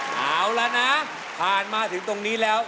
เอาละนะผ่านมาถึงตรงนี้แล้ว